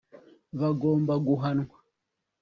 bagomba guhanwa